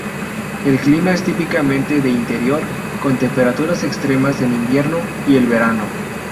El clima es típicamente "de interior", con temperaturas extremas en invierno y en verano.